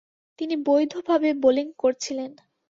তিনি বৈধভাবে বোলিং করছিলেন।